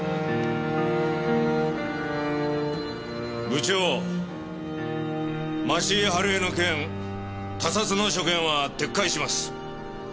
部長町井春枝の件他殺の所見は撤回します。